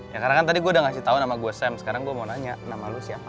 ya karena kan tadi gue udah ngasih tau nama gue sam sekarang gue mau nanya nama lo siapa